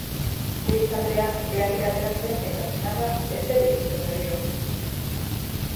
Joyce andrea gelatik atera zen eta senarra eseri egin zen berriro.